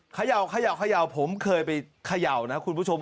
เขย่าผมเคยไปเขย่านะคุณผู้ชม